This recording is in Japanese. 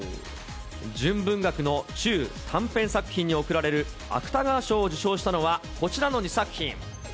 純文学の中・短編作品に贈られる芥川賞を受賞したのはこちらの２作品。